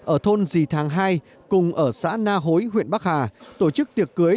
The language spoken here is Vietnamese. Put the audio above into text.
ở thôn dì thàng hai cùng ở xã na hối huyện bắc hà tổ chức tiệc cưới